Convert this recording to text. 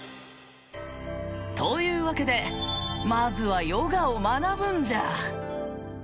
というわけでまずはヨガを学ぶんじゃ！